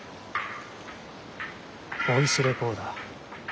ボイスレコーダー？